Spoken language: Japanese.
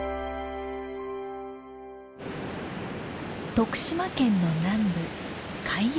徳島県の南部海陽町。